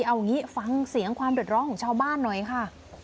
เอางี้ฟังเสียงความเดือดร้อนของชาวบ้านหน่อยค่ะ